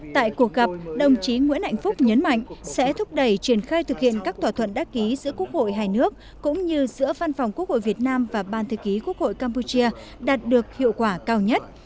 tại cuộc gặp đồng chí nguyễn hạnh phúc nhấn mạnh sẽ thúc đẩy triển khai thực hiện các thỏa thuận đắc ký giữa quốc hội hai nước cũng như giữa văn phòng quốc hội việt nam và ban thư ký quốc hội campuchia đạt được hiệu quả cao nhất